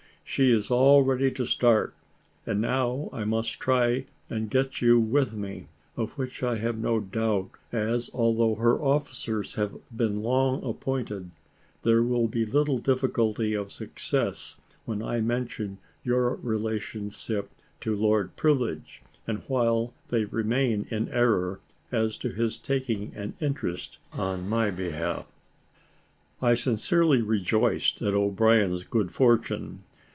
She is all ready to start; and now I must try and get you with me, of which I have no doubt; as, although her officers have been long appointed, there will be little difficulty of success, when I mention your relationship to Lord Privilege, and while they remain in error as to his taking an interest in my behalf." I sincerely rejoiced at O'Brien's good fortune.